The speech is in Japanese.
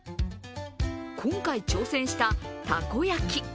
今回挑戦した、たこ焼き。